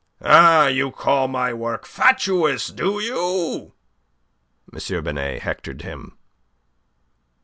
"Ah! You call my work fatuous, do you?" M. Binet hectored him.